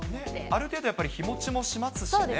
ある程度、やっぱり日持ちもしますしね。